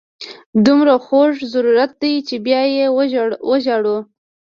دومره خوږ ضرورت چې بیا یې وژاړو.